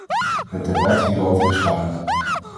Het debat hierover is gaande.